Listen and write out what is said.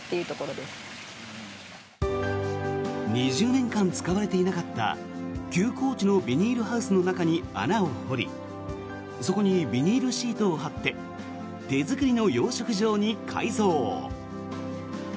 ２０年間使われていなかった休耕地のビニールハウスの中に穴を掘りそこにビニールハウスを張って手作りの養殖場に改造。